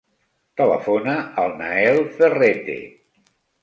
Telefona al Nael Ferrete.